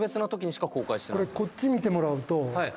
これこっち見てもらうと。